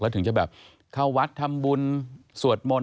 และถึงจะแบบเขาวัดทำบุญส่วนมนต์